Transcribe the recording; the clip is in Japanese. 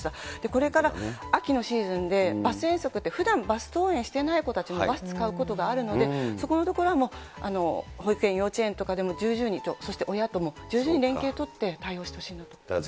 これから秋のシーズンで、バス遠足って、ふだんバス登園してない子もバス使うことがあるので、そこのところは保育園、幼稚園とかでも重々に、そして親とも十分に連携を取って対応してほしいなと思います。